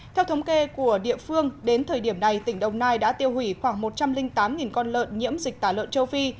theo thống kê của địa phương đến thời điểm này tỉnh đồng nai đã tiêu hủy khoảng một trăm linh tám con lợn nhiễm dịch tả lợn châu phi